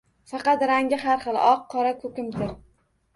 Faqat rangi har xil: oq, qora, ko‘kimtir...